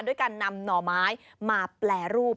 ด้วยการนำหน่อไม้มาแปรรูป